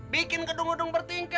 bikin gedung gedung bertiga